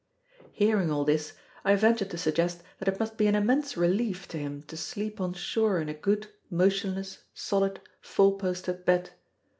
Hearing all this, I ventured to suggest that it must be an immense relief to him to sleep on shore in a good, motionless, solid four post bed.